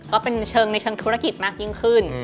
ก็เป็นเชิงในเชิงธุรกิจมากยิ่งขึ้น